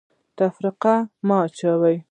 تفرقه مه اچوئ